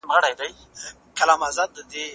د خپلوۍ په تار تړل کېږي